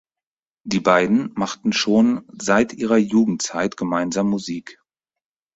Die beiden machten schon seit ihrer Jugendzeit gemeinsam Musik.